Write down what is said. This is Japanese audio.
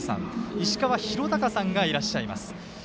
石川尋貴さんがいらっしゃいます。